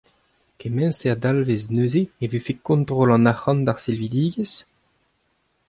Kement-se a dalvez neuze e vefe kontrol an arcʼhant d’ar silvidigezh ?